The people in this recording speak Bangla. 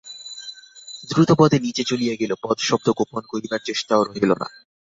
দ্রুতপদে নীচে চলিয়া গেল–পদশব্দ গোপন করিবার চেষ্টাও রহিল না।